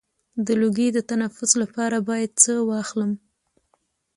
د لوګي د تنفس لپاره باید څه واخلم؟